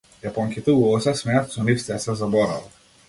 Јапонките убаво се смеат, со нив сѐ се заборава.